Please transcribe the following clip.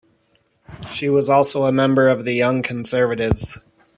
She was also a member of the Young Conservatives.